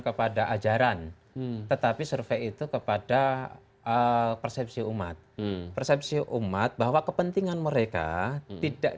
kepada ajaran tetapi survei itu kepada persepsi umat persepsi umat bahwa kepentingan mereka tidak